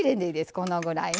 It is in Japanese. このぐらいね。